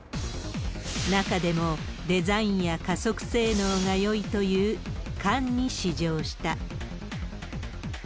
中でも、デザインや加速性能がよいという、漢に試乗した。